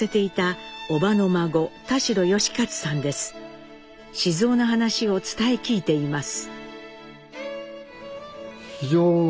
当時雄の話を伝え聞いています。